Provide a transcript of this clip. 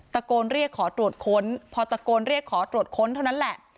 ตะโกนเรียกขอตรวจค้นพอตะโกนเรียกขอตรวจค้นเท่านั้นแหละ